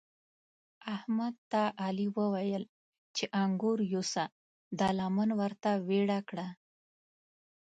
احمد ته علي وويل چې انګور یوسه؛ ده لمن ورته ويړه کړه.